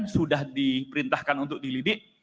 sudah diperintahkan untuk dilidik